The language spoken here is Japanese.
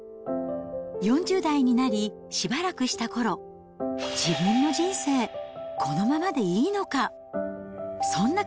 ４０代になり、しばらくしたころ、自分の人生、このままでいいのか？